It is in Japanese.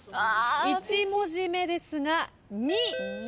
１文字目ですが「に」です。